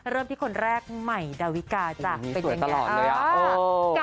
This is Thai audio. เริ่มที่คนแรกไหมดาวิกาจ้ะเป็นยังไงโอ้ยสวยตลอดเลยอะ